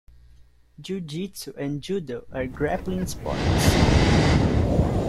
Jujitsu and Judo are grappling sports.